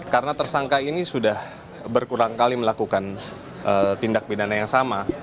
karena tersangka ini sudah berkurang kali melakukan tindak pidana yang sama